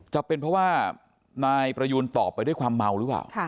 จะเป็นเพราะว่านายประยูนตอบไปด้วยความเมาหรือเปล่า